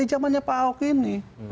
itu jamannya pak ahok ini